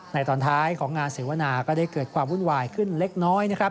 ตอนท้ายของงานเสวนาก็ได้เกิดความวุ่นวายขึ้นเล็กน้อยนะครับ